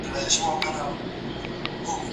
سالم خواړه د بدن طبیعي سیستم سم ساتي.